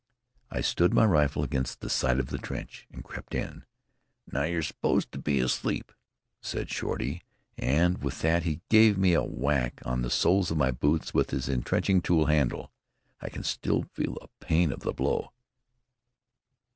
I stood my rifle against the side of the trench and crept in. "Now, yer supposed to be asleep," said Shorty, and with that he gave me a whack on the soles of my boots with his entrenching tool handle. I can still feel the pain of the blow.